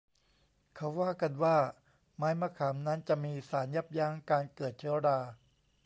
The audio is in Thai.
เขาว่ากันว่าไม้มะขามนั้นจะมีสารยับยั้งการเกิดเชื้อรา